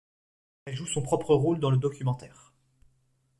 Elle joue son propre rôle dans le documentaire.